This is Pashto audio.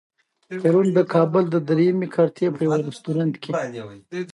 پرون د کابل د درېیمې کارتې په يوه رستورانت کې.